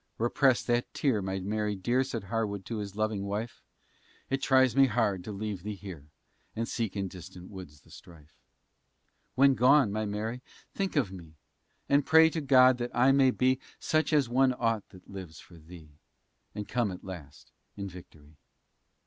Repress that tear, my Mary, dear, Said Harwood to his loving wife, It tries me hard to leave thee here, And seek in distant woods the strife. When gone, my Mary, think of me, And pray to God, that I may be, Such as one ought that lives for thee, And come at last in victory.